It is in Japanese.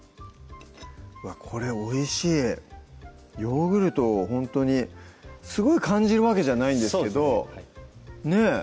これおいしいヨーグルトほんとにすごい感じるわけじゃないんですけどねぇ